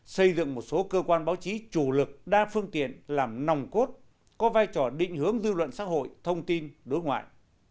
xây dựng một số cơ quan báo chí chủ lực đa phương tiện làm nòng cốt có vai trò định hướng dư luận xã hội thông tin đối ngoại